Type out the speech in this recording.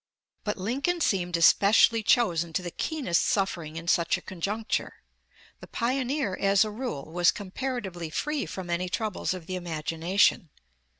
But Lincoln seemed especially chosen to the keenest suffering in such a conjuncture. The pioneer, as a rule, was comparatively free from any troubles of the imagination.